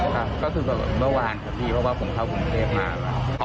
ครับก็คือแบบเมื่อวานครับพี่เพราะว่าผมเข้ากรุงเทพมา